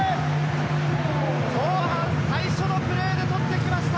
後半最初のプレーで取ってきました。